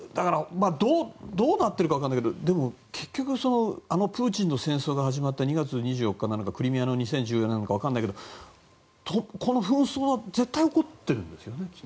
どうなっているか分からないけどでも、結局はプーチンの戦争が始まったのが２月２４日なのかクリミアの２０１４年なのか分からないけど、この紛争は絶対起こっているんですよね。